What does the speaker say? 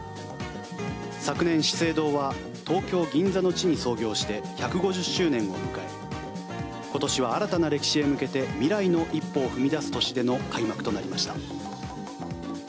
昨年、資生堂は東京・銀座の地に創業して１５０周年を迎え今年は新たな歴史へ向けて未来の一歩を踏み出す年での開幕となりました。